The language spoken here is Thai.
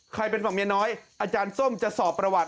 เป็นฝั่งเมียน้อยอาจารย์ส้มจะสอบประวัติ